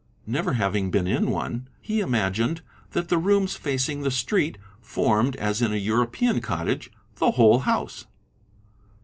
Never having been in one, he imagined that the rooms facing the street formed, as in a European: cottage, the whole house.